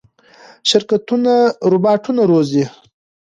شرکتونه روباټونه روزي.